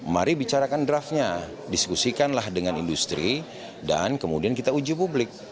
mari bicarakan draftnya diskusikanlah dengan industri dan kemudian kita uji publik